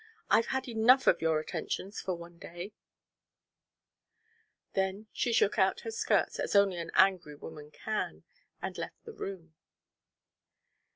I've had enough of your attentions for one day." Then she shook out her skirts as only an angry woman can, and left the room.